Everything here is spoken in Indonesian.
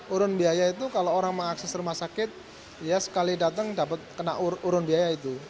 urun biaya itu kalau orang mengakses rumah sakit ya sekali datang dapat kena urun biaya itu